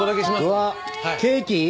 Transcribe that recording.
うわっケーキ？